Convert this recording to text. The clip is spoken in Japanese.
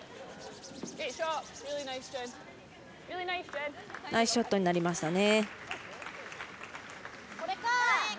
ナイスショットになりました。